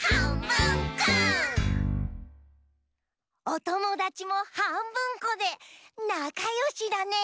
おともだちもはんぶんこでなかよしだね！